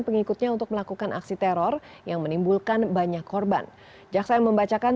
pengikutnya untuk melakukan aksi teror yang menimbulkan banyak korban jaksa yang membacakan